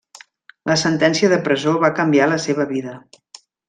La sentència de presó va canviar la seva vida.